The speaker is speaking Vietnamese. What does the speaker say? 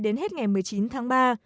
đến hết ngày một mươi chín tháng ba